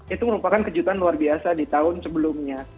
itu merupakan kejutan luar biasa di tahun sebelumnya